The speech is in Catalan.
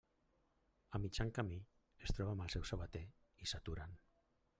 A mitjan camí, es troba amb el seu sabater, i s'aturen.